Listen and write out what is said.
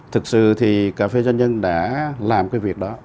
thực sự thì cà phê doanh nhân đã làm cái việc đó